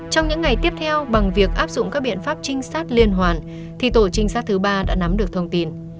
trong những ngày tiếp theo bằng việc áp dụng các biện pháp trinh sát liên hoàn thì tổ trinh sát thứ ba đã nắm được thông tin